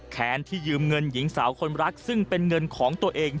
แค้นที่ยืมเงินหญิงสาวคนรักซึ่งเป็นเงินของตัวเอง